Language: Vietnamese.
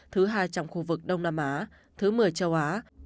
thứ hai trong khu vực đông nam á thứ một mươi châu á